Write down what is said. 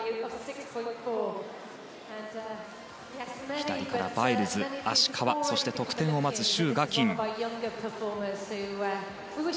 左からバイルズ、芦川得点を待つシュウ・ガキン。